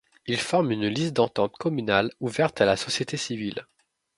Il forme une liste d'entente communale, ouverte à la société civile.